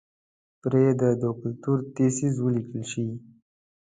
پرې د دوکتورا تېزس وليکل شي.